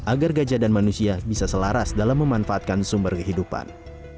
agar gajah dan manusia bisa selaras dalam memanfaatkan sumber kehidupan